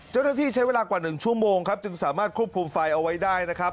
เจ้าหน้าที่ใช้เวลากว่า๑ชั่วโมงครับจึงสามารถควบคุมไฟเอาไว้ได้นะครับ